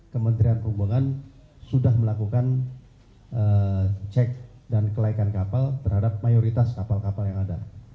kementerian perhubungan sudah melakukan cek dan kelaikan kapal terhadap mayoritas kapal kapal yang ada